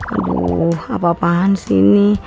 aduh apa apaan sih ini